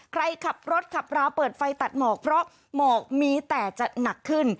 ใครขับรถขับราวเปิดไฟตัดหมอกเพราะหมอกมีแต่จะหนักขึ้น